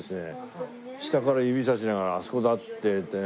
下から指さしながら「あそこだ」って言ってね。